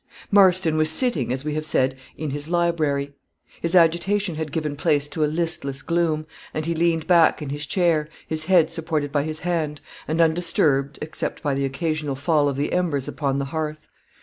Marston was sitting, as we have said, in his library. His agitation had given place to a listless gloom, and he leaned back in his chair, his head supported by his hand, and undisturbed, except by the occasional fall of the embers upon the hearth.